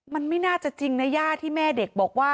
มันไม่น่าจะจริงนะย่าที่แม่เด็กบอกว่า